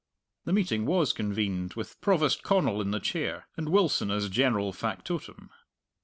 The meeting was convened, with Provost Connal in the chair and Wilson as general factotum.